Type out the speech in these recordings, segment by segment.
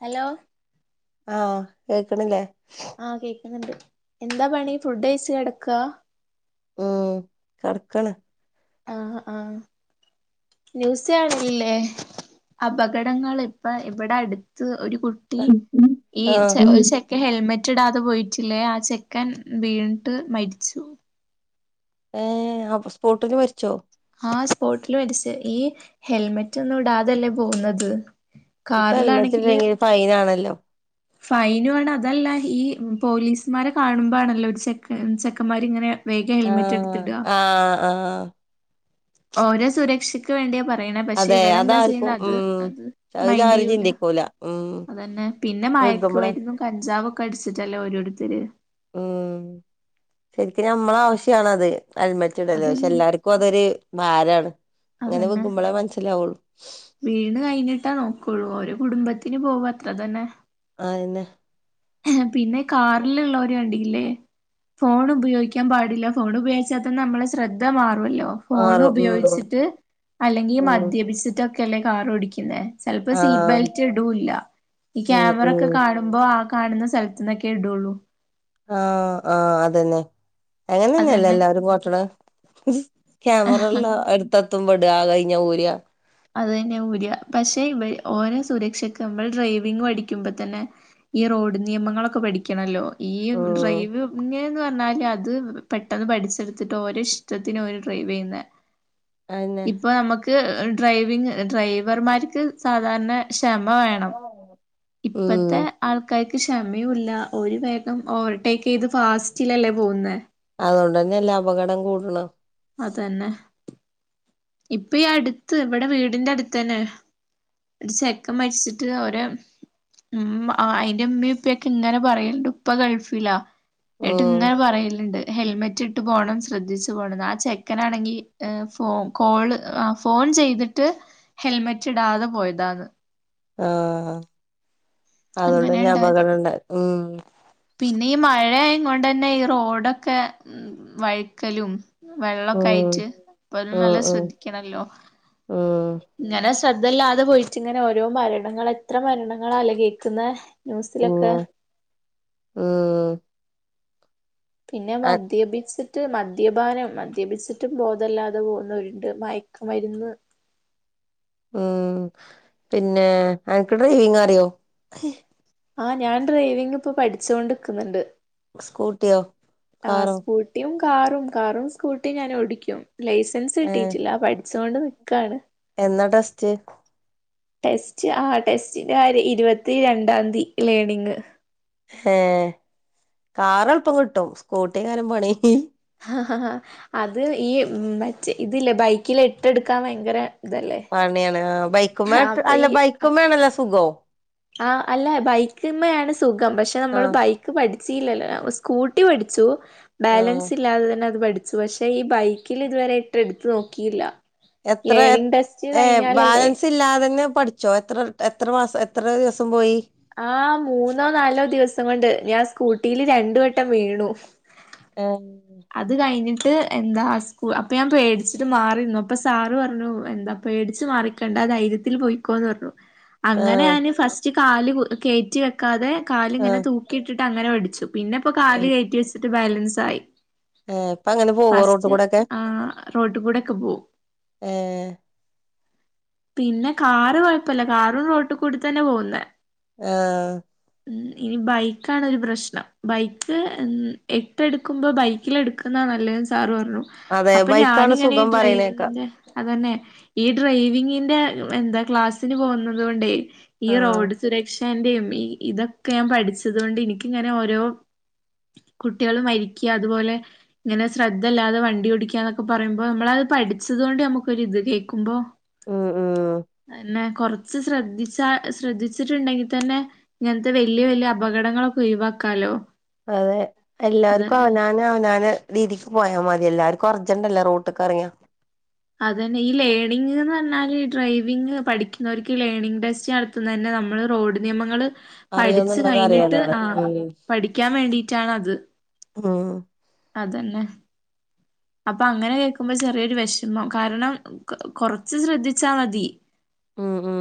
Hello ആ കേക്ക്ന്നില്ലേ ആഹ് കേക്കുന്നുണ്ട് എന്താ പണി ഫുഡ് കഴിച്ച് കെടക്ക ഉം കെട്ക്കാണ് ആ ആ ന്യൂസ്‌ കാണനില്ലേ അപകടങ്ങള് ഇപ്പ ഇവിടെ അടുത്ത് ഒരു കുട്ടി ഈ ചെ ആഹ് ഒരു ചെക്കൻ ഹെൽമെറ്റ് ഇടാ തെ പോയിട്ടില്ലേ ആ ചെക്കൻ വീണീട്ട് മരിച്ചു ഏ സ്പോട്ടില് മരിച്ചോ ആ സ്പോട്ടിൽ മരിച്ച് ഈ ഹെൽമെറ്റ് ഒന്നും ഇടാതല്ലേ പോകുന്നത് ഇപ്പ ഹെൽമറ്റ് കാറിലാണെങ്കില് ഇല്ലേങ്കില് ഫൈൻ ആണല്ലോ ഫൈനും ആണ് അതല്ല ഈ പോലീസ്മാരെ കാണുമ്പോ ആണല്ലോ ഒരു ചെക്ക ചെക്കന്മാര് ഇങ്ങനെ വേഗം ഹെൽമെറ്റ് ആഹ് എടുത്തിട ആഹ് [inaudible] ഓര സുരക്ഷയ്ക്ക് വേണ്ടിയ പറ റയണ പക്ഷെ അതെ ഇവരെന്താ അതാർക്കും ചെയ്യണേ അത് ഉം അത് അതാരും മൈന്റെയൂല ചിന്തിക്കൂല ഉം അതന്നെ പിന്നെ വെക്കുമ്പളെ മയക്മരുന്നും കഞ്ചാവും കടിച്ചിട്ടല്ലേ ഓരോരുത്തര് ഉം ശരിക്കും നമ്മളെ ആവശ്യം ആണത് ഹെൽമെറ്റ്‌ ഇടല്ല് പക്ഷെ അതന്നെ എല്ലാർക്കും അതൊരു ഭാരാണ് ഇങ്ങനെ വി അതന്നെ ക്കുമ്പോളേ മനസ്സിലാവുള്ളൂ വീണ് ന് പോവും അത്ര തന്നെ അതന്നെ പിന്നെ കാറിലുള്ളോരേ കണ്ടില്ലേ ലെ ഫോൺ ഉപയോഗിക്കാൻ പാടില്ല ഫോൺ ഉപയോഗിച്ചാൽ തന്നെ നമ്മളെ ശ്രദ്ധ മാ റോലൊ ഫോൺ മാറും ഉം ഉപയോഗിച്ചിട്ട് അല്ലെങ്കിൽ ഉം മദ്യപിച്ചിട്ട് ഓ കെല്ലേ കാറ് ഓടിക്കുന്നേ ചേലപ്പോ സീറ്റ് ആഹ് ബെൽറ്റ് ഇടൂല്ല ഈ ഉം ക്യാമറ ഒക്കെ ഉം കാണുമ്പോ ആ കാണുന്ന സ്ഥലത്ത്ന്നൊക്കെ ഇടുള്ളൂ ആ ആ അതെന്നെ അങ്ങനെന്നെയല്ലോ അതന്നെ എല്ലാവരും കാട്ടുണ് ക്യാമറ ഉള്ള എടുത്ത എത്തുമ്പോ ഇട അത് കഴിഞ്ഞ ഊര അത് തന്നെ ഊര് പക്ഷെ ഇവര് ഓന സുരക്ഷക്ക്നമ്മൾ ഡ്രൈവിങ് പഠിക്കുമ്പോ തന്നെ ഈ റോഡ് നിയമങ്ങളൊക്കെ പഠിക്കണല്ലോ ഈ ഉം ഡ്രൈവ് ഇങ്ങനെ പറ പറാല് അത് പെട്ടെന്ന് പഠിച്ചെടുത്തിട്ട് ഓരോ ഇഷ്ടത്തിന് ഒരു ഡ്രൈവ് ചെയ്യുന്ന അയെന്നെ ഇപ്പൊ നമുക്ക് [inaudible] ഡ്രൈവിങ് ഡ്രൈവർമാർക്ക് സാധാരണ ക്ഷമ വേണം ഉം ഇപ്പത്തെ ആൾക്കാർക്ക് ക്ഷമയയുംല്ല ഒരു വ ഓവർടേക്ക് ചെയ്ത് ഫാസ്റ്റിലല്ലേ പോകുന്നത് അതുകൊണ്ട് തന്നെ എല്ല അപകടം കൂടണം അതന്നെ ഇപ്പ ഈ അടുത്ത് ഇവിടെ വീടിന്റെ അടുത്ത് തന്നെ ചെക്കൻ മരിച്ചിട്ട് ഓര് അയിന്റെ ഉമ്മി ഉപ്പയും യൊക്കെ ഇങ്ങനെ പറയലണ്ട് ഇപ്പ ഗൾഫില്ലാ ട്ട് ഉം ഇങ്ങെ പറയലുണ്ട് ഹെൽമെറ്റ് ഇട്ട് പോകണം ശ്രദ്ധിച്ചു പോകണം ആ ചെക്കനാണെങ്കിൽ ഫോ കോള് ആ ഫോൺ ചെയ്തിട്ട് ഹെൽമെറ്റ് ഇടാതെ പോയതന്ന് ആ ഹ അങ്ങനെ അതുകൊണ്ട് ഇണ്ടായത് അപകടുണ്ടയത് ഉ പിന്നെ ഈ മഴ ആയ കൊണ്ട് തന്നെ ഈ റോഡൊക്കെ ഉ വഴിക്കലും ഉം വെള്ളൊക്കായിട്ട് പം ഉം നല്ല ഉം ശ്രദ്ധിക്കണല്ലോ ഉം ഇങ്ങനെ ശ്രദ്ധല്ലാതെ പോയിട്ടിങ്ങനെ ഓരോ മരണങ്ങള് എത്ര മരണങ്ങളലേ കേക്കുന്നെഹ് ന്യൂസിലൊക്കെ പിന്നെ ഉം പിന്നെ അ മദ്യപിച് ത്ത് മദ്യപാനം മദ്യപിച്ചിട്ടും ബോധല്ലാതെ പോകുന്നവരുണ്ട് മയക്ക മരുന്ന് ഉം പിന്നെ അൻക്ക് ഡ്രൈവിങ് അറിയോ ആ് ഞാൻ ഡ്രൈവിംഗ് ഇപ്പൊ പഠിച്ചോൊണ്ട്ക്ന്ന്ണ്ട് സ്കൂട്ടിയോ കാറോ സ്കൂട്ടിയും കാറും കാറും സ്കൂട്ടി ഞാൻ ഓടിക്കും ലൈസൻസ് ഏഹ് കിട്ടിട്ടില്ല പട് ച്ചോണ്ട് നിക്കാണ് എന്നാ ടെസ്റ്റ് ടെസ്റ്റ് ആ ടെസ്റ്റിന്റെ കാര്യ ഇരുപത്തി രണ്ടാംതി ലേണിങ് ഏ കാറ് എൾപ്പം കിട്ടും സ്കൂട്ടി കാരം പണി അത് ഈ മറ്റേ ഇതില്ല ബൈക്കിൽ ഇട്ടെടുക്കാൻ ഭയങ്കര ഇതല്ലേ പണിയാണ് അ ബൈക്കും മേട്ട് അല്ല ബൈക്കും മേണല്ലൊ സുഖോ ആ അല്ല ബൈക്ക്മ്മയാണ് സുഖം പക്ഷെ നമ്മള് ആഹ് ബൈക്ക് പഠി സി ഇല്ലല്ലൊ ഞപൊ സ്കൂട്ടി പഠിച്ചു ആഹ് ബാലൻസ് ഇല്ലാതെ തന്നെ ത് പഠിച്ചു പക്ഷെ ഈ ബൈക്കില് ഇതുവരെ എട്ട് എടുത്ത് നോക്കിയില്ല എത്ര ലേണിംഗ് ടെസ്റ്റ് ഏ കഴിഞ്ഞാലല്ലേ ബാലൻസ് ഇല്ലാതെന്നെ പഠിച്ച ച്ചോ എത്ര എത്ര മാസം എത്രദിവസം പോയി ആ മൂന്നോ നാലോ ദിവസം കൊണ്ട് ഞാൻ സ്കൂട്ടിയില് രണ്ട് വട്ടം വീണു എ അത് കഴിഞ്ഞിട്ട് എന്താ സ്കു അപ്പൊ ഞാൻ പേടിച്ചിട്ട് മാറിന്നു അപ്പൊ സാറ് പറഞ്ഞു എന്താ പേടിച്ച് മാറിക്കണ്ട ധൈര്യത്തിൽ പോയിക്കോന്ന് പറഞ്ഞു അങ്ങനെ ആഹ് ഞാന് ഫസ്റ്റ് കാല് കു കയറ്റി വെക്കാതെ കാല് ഇങ്ങനെ ആഹ് തൂക്കിയിട്ടി ട്ടങ്ങനെ പഠിച്ചു പിന്നെ ഇപ്പൊ കാല് കയറ്റി വെച്ചിട്ട് ബാലൻസ് [unintelligible] ഏ ഇപ്പൊ അങ്ങനെ പോവോ റോട്ടു ഫസ്റ്റ് ക്കൂടെക്കെ ആ റോട്ട് കൂടെക്കെ പോവും ഏ പിന്നെ കാറ് കൊഴപ്പല്ല കാറും റോട്ടി കൂടി തന്നെ പോകുന്നേ ആഹ് ഉം ഇനി ബൈക്ക് ആണ് ഒരു പ്രശ്നം ബൈക്ക് എട്ട് എടുക്കുമ്പോ ബൈക്ക് ക്കില് എടുക്കുന്നാ നല്ലന്ന് സാറ് പ അതെ അപ്പൊ ബൈക്കാണ് ഞാനിങ്ങനെ സുഖം പറയണേക്കാ ഡ്രൈവിങ്ങിന്റെ അത് തന്നെ ഈ ഡ്രൈവിങ്ങിന്റെ എന്താ ക്ലാസ്സിന് പോകുന്നത് കൊണ്ടേ ഈ ആഹ് റോഡ് സുരക്ഷ ന്റെ ഇതൊക്കെ ഞാൻ പഠിച്ചത് കൊണ്ട് എനിക്കിങ്ങനെ ഓരോ കുട്ടികളും മരിക്കുക അതുപോലെ ഇങ്ങനെ ശ്രദ്ധല്ലാതെ വണ്ടി ഓ ടിക്കാ എന്നൊക്കെ പറയുമ്പോ നമ്മള് അത് പഠിച്ചത് കൊണ്ട് നമുക്കൊരിത് കേൾക്കുമ്പോ ഉം ഉം പിന്ന കൊറച്ച് ശ്രദ്ധിച്ചാ ശ്രദ്ധിച്ചിട്ടുണ്ടെങ്കി തന്നെ ഇങ്ങനത്തെ വലിയ വലിയ അപകടങ്ങളൊക്കെ ഒയ് വാക്കാലോ അതെ എല്ലാവർക്കും അവനാന് അവനാ ന് രീതിക്ക് പോയാ മതി എല്ലാർക്കും അർജന്റല്ലേ റോട്ട്ക്ക് ഇറങ്ങിയ അതന്നെ ഈ ലേണിംഗ് എന്ന് പറഞ്ഞാല് ഈ ഡ്രൈവിംഗ് പഠിക്കുന്നവർക്ക് ലേണിങ് ടെസ്റ്റ് നടത്തുന്ന തന്നെ നമ്മള് റോഡ് നിയമങ്ങള് പഠിച്ചു അറിയോന്നുള്ളത് കഴിഞ്ഞിട്ട് അറിയാനാണ് ആ പഠിക്കാൻ വേണ്ടിയിട്ടാണ് അത് ഉം അതന്നെ അപ്പൊ അങ്ങനെ കേൾക്കുമ്പോ ചെറിയൊരു വെഷമം കാരണം കൊറച്ച് ശ്രദ്ധിച്ചാ മതി ഉം ഉം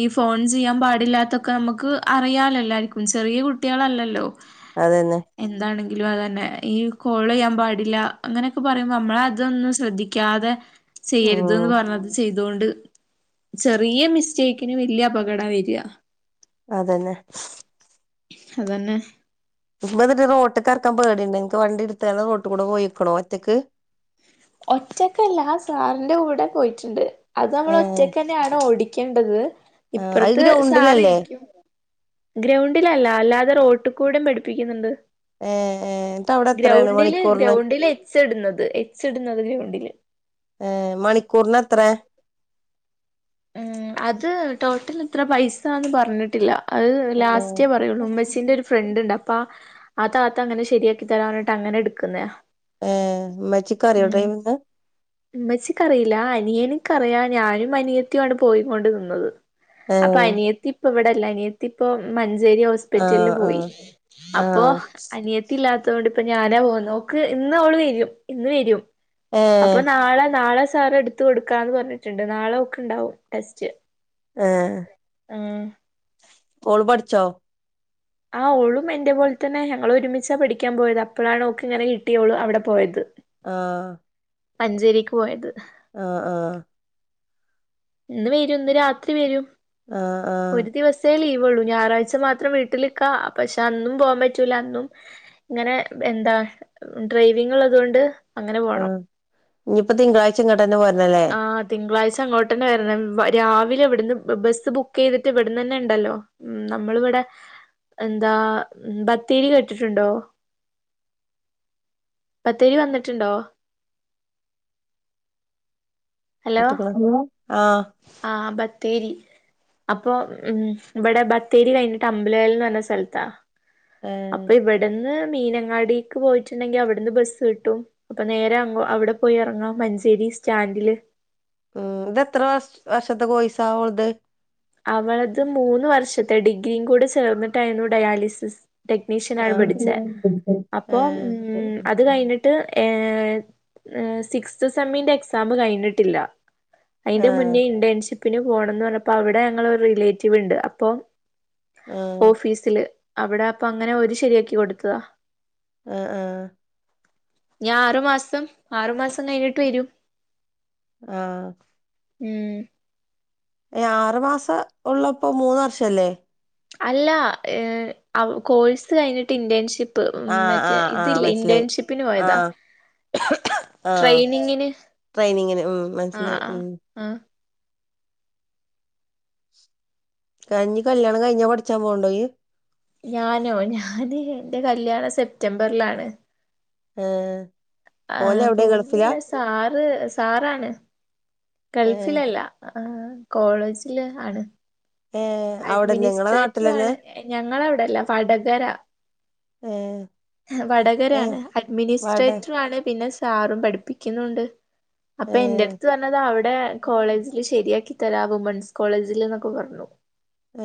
ഈ ഫോൺ ചെയ്യാൻ പാടില്ലാത്തൊക്കെ നമുക്ക് അറിയാല്ലോ എല്ലാർക്കും ചെറിയ കുട്ടികളല്ലല്ലോ അതന്നെ [unintelligible] അതന്നെ ഈ കോള് എയ്യാൻ പാ ടില്ല അങ്ങനെയൊക്കെ പറയുമ്പോ നമ്മള് അതൊന്നും ശ്രദ്ധിക്കാതെ ചെയ്യരുത് എന്ന് ഉം പറഞ്ഞത് ചെയ്തോണ്ട് ചെറിയ മിസ്റ്റേക്കിന് വലിയ അപകട വരിക അതന്നെ അതന്നെ [unintelligible] റോട്ടൊക്ക ഇറക്കാൻ പേടണ്ട് നിനിക്ക് വണ്ടി എടുത്തെ റോട്ട് കൂടെ പോയിക്കണോ ഒറ്റയ്ക്ക് ഒറ്റക്കല്ല സാറിന്റെ കൂടെ പോയിട്ടുണ്ട് അത് നമ്മൾ ആഹ് ഒറ്റയ്ക്ക്ന്നെയാണ് ഓടി- ക്കേണ്ടത് അത് ഇപ്പറത്ത് സാറി ഗ്രൗണ്ടിലല്ലേ ഇരിക്കും ഗ്രൗണ്ടിലല്ല അല്ലാതെ അ റോട്ടുകൂടെ പഠടിപ്പിക്കുന്നുണ്ട് ഏഹ് ഏഹ് എന്നിട്ട് അവിടെ എത്രയാണ് ഗ്രൗണ്ടില് ഗ്രൗണ്ടില് എച്ച് ഇടുന്നത് ഇടുന്നത് ഗ്രൗണ്ടില് ഏ മണിക്കൂർന് എത്രയാ ഉം അത് ടോട്ടൽ എത്ര പൈസന്ന് പറഞ്ഞിട്ടില്ല അത് ലാസ്റ്റേ പറയുള്ളൂ ഉമ്മച്ചീ ന്റെ ഒരു ഫ്രണ്ട് ഉണ്ട് അപ്പ ആ താത്ത അങ്ങനെ ശരിയാക്കി തരാനിട്ട് അങ്ങനെ എടുക്കുന്ന ആ മ്മച്ചികറിയോ ഡ്രൈവിംഗ് ഉമ്മച്ചക്ക്റിയില്ല അനിയന് ക്കറിയ ഞാനും അനിയ ത്തിയാണ് പോയിക്കൊണ്ട് നിന്നത് അപ്പൊ ഏഹ് അനയത്തി ഇ ഇവിടെല്ല അനിയത്തി ഇപ്പോ മ മഞ്ചേരി ആഹ് ഹോസ്പിറ്റലിൽ പോയി ആഹ് അപ്പോ ആഹ് അനിയത്തില്ലാത്ത അത്തൊണ്ട്ിപ്പ ഞാനാ പോകുന്നു ഓക്ക് ഇന്ന് ഓള് വരും ഇന്ന് വരും അപ്പൊ ഏഹ് നാളെ നാളെ സാർ എടുത്ത കൊടുക്കാ എന്ന് പറഞ്ഞിട്ടുണ്ട് നാളെ ഉണ്ടാവും ടെസ്റ്റ് ആ ഉം ഓള് പഠിചോ ആ്ഓളും എൻന്റെ പോലെ തന്നെ ഞങ്ങ ഒരുമിച്ചാ പഠിക്കാൻ പോയത് അപ്പോഴാണ് നോക്ക് ഇങ്ങനെ കിട്ടിയളും അവിടെ പോയത് ആഹ മഞ്ചേരിക്ക് പോയത് ആ ആ ഇന്ന് വരും ഇന്ന് രാത്രി വരൂ ആഹ് ആഹ് ഒരു ദിവസേ ലീവ്ള്ളൂ ഞായറാഴ്ച മാത്രം വീട്ടിൽ പക്ഷെ അന്നും പോകാൻ പറ്റൂല അന്നും ഇങ്ങനെ എന്താ ഡ്രൈവിങ് ഉള്ളത കൊൊണ്ട് ആ ഇനിയിപ്പോ തിങ്കളാഴ്ച ഇങ്ങോട്ട്ന്നെ പോരണല്ലേ [unintelligible] പട്ടന വരണം രാവിലെ ഇവിടുന്ന് ബസ്സ് ബുക്ക് ചെയ്തിട്ട് ഇവിടുന്ന് തന്നെ ഉണ്ടല്ലോ ഉ നമ്മൾിവിടെ എന്താ ബത്തേരി കേട്ടിട്ടുണ്ടോ ബത്തേരി വന്നിട്ടുണ്ടോ പട്ടക്കള ആ ആഹ ബത്തേരി അപ്പൊ ഉം ഇവിടെ ബത്തേരി കഴിഞ്ഞിട്ട് അമ്പലൽന്ന് പറഞ്ഞ സ്ഥലത്താ ഏഹ് അപ്പൊ ഇവിടെന്ന് മീനങ്ങാടിക്ക് പോയിട്ടുണ്ടെങ്കി അവിടുന്ന് ബസ്സ് കിട്ടും അപ്പൊ നേരെ അോ അവിടെ പോയി ഇറങ്ങാം മഞ്ചേരി സ്റ്റാൻഡില് ഉം ഇത്ത്രെ വർഷത്തെ കോഴ്സ് അ ഓലദ് അവളത് മൂന്ന് വർഷത്തെ ഡിഗ്രീും കൂടെ ചേർന്നിട്ടായിരുന്നു ഡയാലിസിസ് ടെക്നീഷ്യൻ ആണ് ആഹ് പഠിച്ചത് അപ്പോൊ ഉ ഏഹ് അത് കഴിഞ്ഞിട്ട് ഏ സിക്സ്ത് സെമ്മിന്റെ എക്സാം കഴിഞ്ഞിട്ടില്ല അതിന്റെ മുന്നേ ആഹ് ഇണ്ടേൻസി പിന്നെ പോണംന്ന് പറഞ്ഞപ്പോ അവിടെ അവിടെ ഞങ്ങളരു റിലേറ്റീവ് ഉണ്ട് അപ്പം ആഹ് ഓഫീസില് അവിടെ അപ്പൊ അങ്ങനെ ഒരു ശരിയാക്കി കൊടുത്തതാ ആഹ് ആഹ് ഞാൻ ആറു മാസം ആറു മാസം നേരിിട്ട് വരും ആഹ ഉം ആറു മാസം ഉള്ളപ്പോൊ മൂന്ന വർഷംല്ലേ അല്ല എ അ കോഴ്സ് കഴിഞ്ഞിട്ട് ഇന്റേൺഷിപ്പ് ആഹ് മറ്റേ ആഹ് ആഹ് ഇതില്ല മനസ്സിലായി ഇന്റേൺഷിപ്പിന് പോയതാ ആഹ ആഹ ട്രെയിനിങ്ങിന് ട്രെനിങ്ങിന് ഉ ആ മനസ്സിലായി ആ ഉ ആ താനിനി കല്യാണം കഴിഞ്ഞാ പഠിക്കാൻ പോണുണ്ടോ ഞാനോ ഞാന് എൻ്റെ കല്യാണ സെപ്റ്റംബറിലാണ് ആഹ് ആ പോവുന്നില്ല സാറ് സാറാണ് ഏഹ് ഗൾഫിലല്ല ആ കോളേജില് ആണ് ഏഹ് അവിടെന്നെ ഇങ്ങളെ നാട്ടിലെന്നെ അഡ്മിനിസ്ട്രേറ്ററാണ് ഞങ്ങളവിടെല്ല വടകര ഏഹ് ഏഹ് വടകരാണ് വാടെ അഡ്മിനിസ്ട്രേറ്ററാണ് പിന്നെ സാറും പഠിപ്പിക്കുന്നുണ്ട് അപ്പൊ എന്റെ ഏഹ് അടുത്ത് പറഞ്ഞത് അവിടെ കോളേജില് ശരിയാക്കി ഉത്തര വുമൻസ് കോളേജിൽന്നൊക്കെ പറഞ്ഞു ആ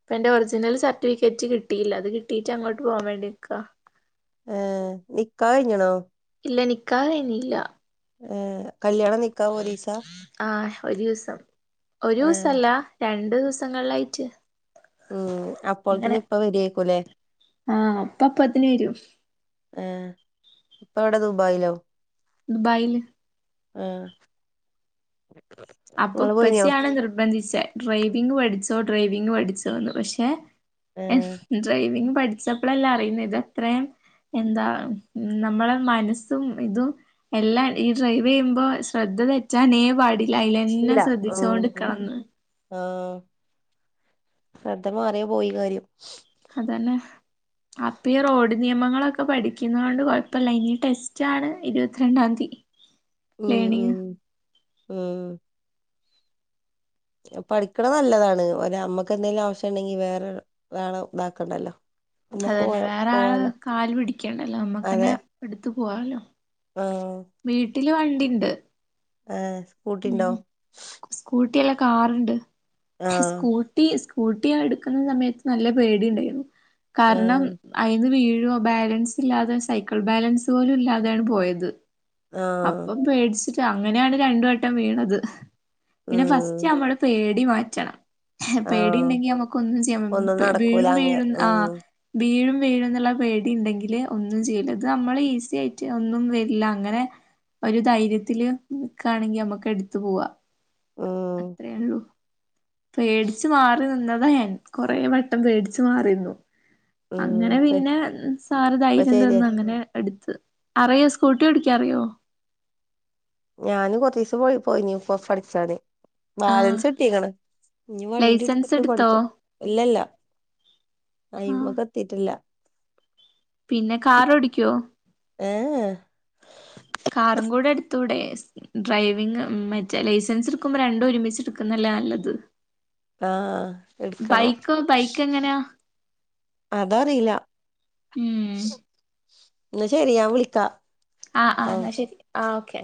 ഇപ്പ എന്റെ ഒറിജിനൽ സർട്ടിഫിക്കറ്റ് കിട്ടിയില്ല അത് കിട്ടീട്ട് അങ്ങോട്ട് പോകാൻ വേണ്ടി നിക്കാ ആ നിക്കാഹ് കഴിഞ്ഞതാണോ ഇല്ല നിക്കാഹ കഴിഞ്ഞിട്ടില്ല ആ കല്യാണം നിക്കാഹോ ഒരുമിച്ച ഒരു ദിവസം ഒരു ദിവസല്ല രണ്ടു ദിവസം ദിസങ്ങളിലായിട്ട് ഉം അപ്പോൾ തന്നെ ഇപ്പ വരുമായിരിക്കുമല്ലേ ആഹ് അപ്പ അപ്പ അതിന് വരും ഏ ഇപ്പ എവിടാ ദുബായിലോ ദുബായില് ആഹ് അപ്പൊ നിങ്ങള് പോയിനോ ഉപ്പച്ചിയാണ് നിർബന്ധിച്ചെ ഡ്രൈവിങ് പഠിച്ചോ ഡ്രൈവിങ് പഠിച്ചോന്ന് പക്ഷെ ആഹ് ഡ്രൈവിങ് പഠിച്ച പ്പോഴല്ല അറിയുന്നത് ഇതത്രയും എന്താ നമ്മളെ മനസ്സും ഇതും എല്ലാം ഈ ഡ്രൈവ് ചെയ്യുമ്പോ ശ്രദ്ധ തെറ്റാനേ പാടി അതിലന്നെ ഇല്ല ഉം ശ്രദ്ധിച്ചോണ്ട്ക്കണം എന്ന് ആഹ് ശ്രദ്ധ മാറിയ പോയി കാര്യം അതന്നെ അപ്പ ഈ റോഡ് നിയമങ്ങളൊക്കെ പഠിക്കുന്ന കൊണ്ട് കൊഴപ്പില്ല ഇനി ടെസ്റ്റാണ് ഇരുപത്തിരണ്ടാംതി ഉം ലേർണിങ് ഉം ഉം പഠിക്കണ നല്ലതാണ് ഒരു നമ്മക്ക് എന്തെങ്കിലും ആവശ്യം ഉണ്ടെങ്കി വേറെ ആള ഇതാക്കണ്ടല്ലോ അത് നമ്മക്ക് തന്നെ പോയാ വേറെയാളെ പോവാലോ കാല് പിടിക്കണ്ടല്ലോ നമ്മക്ക്ന്നെ അതെ എടുത്തു പോവാലോ ആഹ് വീട്ടില് വണ്ടി ഇണ്ട്. ആഹ്. സ്കൂട്ടിണ്ടോ ഉം സ്കൂട്ടി എല്ല കാറുണ്ട്. ആഹ് സ്കൂട്ടി സ് സ്‌കൂട്ടി ആ എടുക്കുന്ന സമയത്ത് നല്ല പേടി ഉണ്ടായിരുന്നു. കാരണം ഉം അയിന്ന് വീഴ് മ്പോ ബാലൻസ് ഇല്ലാതെ സൈക്കിൾ ബാലൻസ് പോലും ഇല്ലാതെയാണ് പോയത്. ആഹ് അപ്പൊ പേടിച്ചിര് അങ്ങനെയാണ് രണ്ട് വട്ട ട്ടം വീണത്. പിന്നെ ഫസ്റ്റ് ഉം നമ്മടെ പേര് ടി മാറ്റണം. പേടി ആഹ് ഉണ്ടെങ്കി നമുക്ക് ഒന്നും ചെയ്യാം ഒന്നും നടക്കൂല വീഴും അങ്ങ് വീഴും ഉം ആഹ് വീഴും വീഴും എന്നുള്ള പേടി ളണ്ടെങ്കിൽ ഒന്നും ചെയ്യില്ല ഇത് നമ്മൾ ഈസി ആയിട്ട് ഒന്നും വരില്ല അങ്ങനെ ഒരു ധൈര്യത്തില് നിക്കാണെങ്കിൽ നമുക്ക് ക്കെ എടുത്ത് പോവാ. ഉം അത്രയേ ഉള്ളൂ. പേടിച്ചു മാറി നിന്നതാ ഞാൻ കൊറേ വട്ടം പേടിച്ചു മാറി നിന്നു. ഉം അങ്ങനെ പിന്നെ സാർ ഇപ്പ ധൈര്യം ശരിയാ തന്നു അങ്ങനെ എടുത്ത് അറിയോ സ്കൂട്ടി ഓടിക്കാ അറിയോ ഞാന് കൊറേസം ദിവസം പോയി പോയി ന് [unintelligible] പഠിച്ചാണ് ആഹ് ബാലൻസ് കിട്ടീക്കണ് ഇനിവണ്ടി ലൈസൻസ് എടുത്തിട്ട് എടുത്തോ പഠിച്ച ഇല്ലല്ല ആഹ് അയിമ്മക്ക് എത്തീട്ടില്ല പിന്നെ കാറോടിക്കോ ഏ ഏ കാറും കൂടെ എടുത്തൂടെ ഡ്രൈവിങ് മറ്റേ ലൈസൻസ് എടുക്കുമ്പോ രണ്ടും ഒരുമിച്ച് എടുക്കുന്നല്ലേ നല്ലത് ആഹ് എടുക്കണം ബൈക്കോ ബൈക്ക് എങ്ങനാ അതറിയില്ല ഉം എന്നാ ശെരി ഞാൻ വിളിക്കാ ആഹ് ആ ഓ എന്നാ ശരി ആ ഓക്കെ